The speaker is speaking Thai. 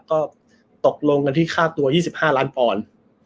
ก็ตกลงกันที่ค่าตัว๒๕ล้านปอนด์